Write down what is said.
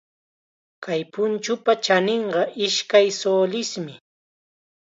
Kay punchupa chaninqa ishkay sulismi.